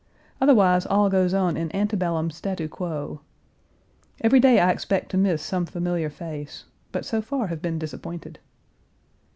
Otherwise all goes on in antebellum statu quo. Every day I expect to miss some familiar face, but so far have been disappointed.